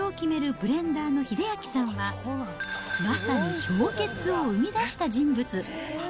ブレンダーの英明さんは、まさに氷結を生み出した人物。